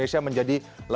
a sampai z